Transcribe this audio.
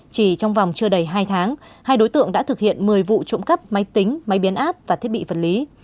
chỉ trong vòng chưa đầy hai tháng hai đối tượng đã thực hiện một mươi vụ trộm cắp máy tính máy biến áp và thiết bị vật lý